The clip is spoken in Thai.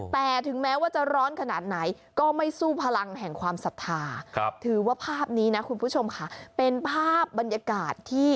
แต่ถึงแม้ว่าจะร้อนขนาดไหนก็ไม่สู้พลังแห่งความศรัทธา